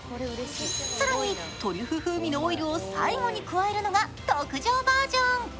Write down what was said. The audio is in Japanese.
更に、トリュフ風味のオイルを最後に加えるのが特上バージョン。